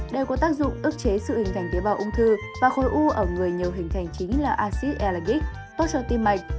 đều có tác dụng ước chế sự hình thành tế bào ung thư và khối u ở người nhiều hình thành chính là acid elegic tốt cho tim mạnh